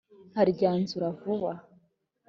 nkaryanzura vuba!”